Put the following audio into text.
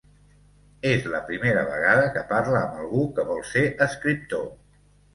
És la primera vegada que parla amb algú que vol ser escriptor.